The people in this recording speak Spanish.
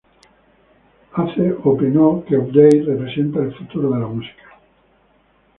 Haze opinó que Update representa ""el futuro de la música"".